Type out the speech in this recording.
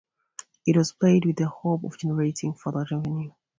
It was played with the hope of generating further revenue.